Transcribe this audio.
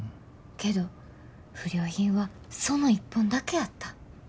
けど不良品はその一本だけやった。